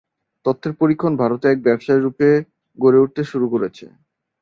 তথ্যের পরীক্ষণ ভারতে এক ব্যবসায়ের রূপে গড়ে উঠতে শুরু করেছে।